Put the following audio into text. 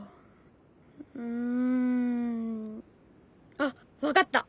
うんあっ分かった！